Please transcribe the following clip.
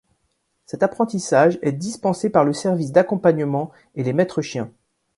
Cet apprentissage est dispensé par le Service d'accompagnement et les maîtres-chiens.